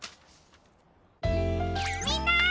みんな！